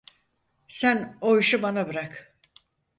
Sen o işi bana bırak.